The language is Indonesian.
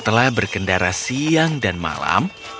setelah berkendara siang dan malam